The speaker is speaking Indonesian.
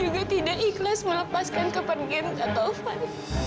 juga tidak ikhlas melepaskan kepentingan kak taufan